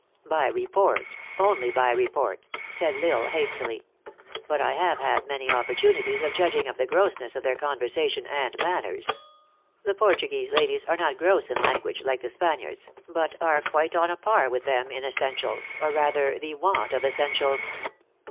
"By report only by report," said L Isle hastily. " But I have had many opportunities of judging of the grossness of their conversation and manners. The Portuguese ladies are not gross in language, like 56 THE ACTKESS IN" HIGH LIFE. the Spaniards ; but are quite on a par with them in essentials, or rather the want of essentials."